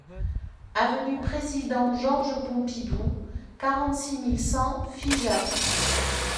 Avenue Président Georges Pompidou, quarante-six mille cent Figeac